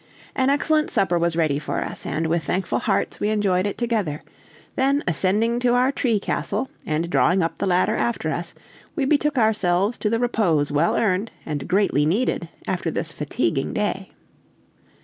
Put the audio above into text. An excellent supper was ready for us, and with thankful hearts we enjoyed it together; then, ascending to our tree castle, and drawing up the ladder after us, we betook ourselves to the repose well earned and greatly needed after this fatiguing day.